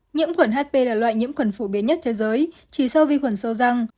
nhiễm khuẩn hp là loại nhiễm khuẩn phổ biến nhất thế giới chỉ sau vi khuẩn sâu răng